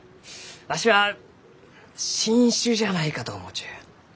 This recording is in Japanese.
わしは新種じゃないかと思うちゅう。